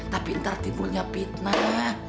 tapi ntar timbulnya fitnah